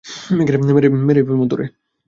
মেরেই ফেলমু তোরে।